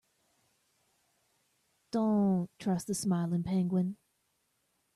Don't trust the smiling penguin.